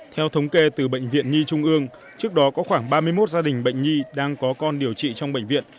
theo thống kê từ bệnh viện nhi trung ương trước đó có khoảng ba mươi một gia đình bệnh nhi đang có con điều trị trong bệnh viện